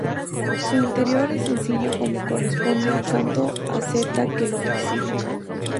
Su interior es sencillo como corresponde al santo asceta que lo preside.